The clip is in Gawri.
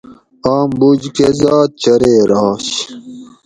آم بُج کہ ذات چریر آش